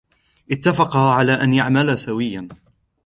اتفقا على أن يعملا سويا.